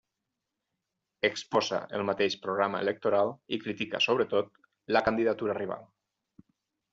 Exposa el mateix programa electoral i critica –sobretot– la candidatura rival.